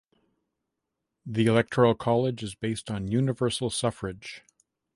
The Electoral college is based on the universal suffrage.